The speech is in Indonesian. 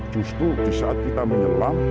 justru di saat kita menyelam